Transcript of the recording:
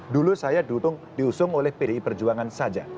dulu saya diusung oleh pdi perjuangan saja